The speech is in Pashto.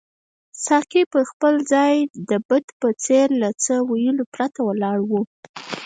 ساقي پر خپل ځای د بت په څېر له څه ویلو پرته ولاړ وو.